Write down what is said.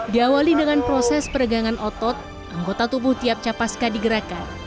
diawali dengan proses peregangan otot anggota tubuh tiap capa ska digerakkan